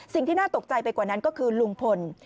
สิ่งที่น่าตกใจไปกว่านั้นก็คือลุงพล